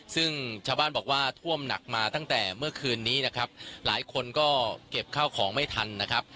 ซึ่งชาวบ้านบอกว่าท่วมหนักมาตั้งแต่เมื่อคืนนี้นะครับหลายคนก็เก็บข้าวของไม่ทันนะครับ